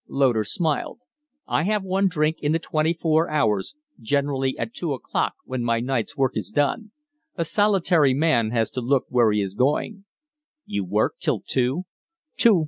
Loder smiled. "I have one drink in the twenty four hours generally at two o'clock, when my night's work is done. A solitary man has to look where he is going." "You work till two?"